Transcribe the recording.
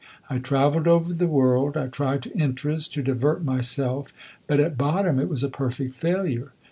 I travelled over the world, I tried to interest, to divert myself; but at bottom it was a perfect failure.